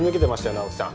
直木さん